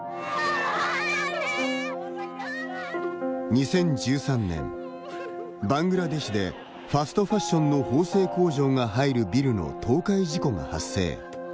２０１３年、バングラデシュでファストファッションの縫製工場が入るビルの倒壊事故が発生。